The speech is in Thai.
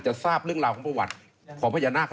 ทราบเรื่องราวของประวัติของพญานาค